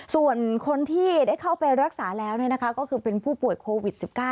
ส่วนคนที่ได้เข้าไปรักษาแล้วก็คือเป็นผู้ป่วยโควิด๑๙